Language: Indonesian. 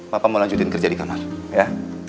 bapak mau lanjutin kerja di kamar ya